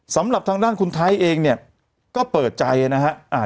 สำหรับทางด้านคุณไทยเองก็เปิดใจนะครับ